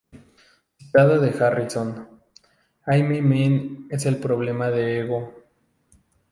Citado de Harrison: "I Me Mine es el problema de ego.